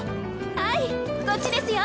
はいこっちですよ。